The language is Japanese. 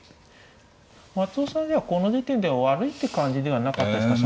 松尾さんではこの時点では悪いって感じではなかったですか。